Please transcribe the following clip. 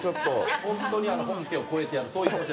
本当に本家を超えてやるという。